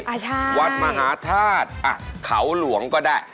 อ่าใช่วัดมหาธาตุอ่ะเขาหลวงก็ได้